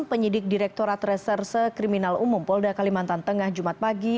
penyidik direkturat reserse kriminal umum polda kalimantan tengah jumat pagi